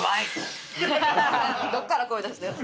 どこから声出してる？